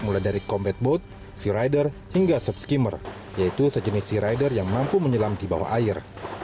mulai dari combat boat sea rider hingga subskimmer yaitu sejenis sea rider yang mampu menyelam di bawah air